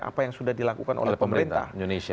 apa yang sudah dilakukan oleh pemerintah